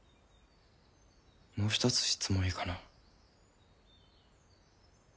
もう一つ質問いいかな？